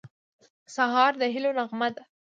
سهار د هیلو نغمه ده.